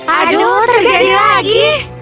aduh terjadi lagi